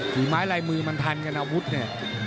ฝีไม้ลายมือมันทันกันอาวุธเนี่ย